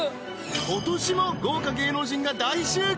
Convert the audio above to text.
今年も豪華芸能人が大集結！